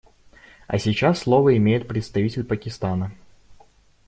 А сейчас слово имеет представитель Пакистана.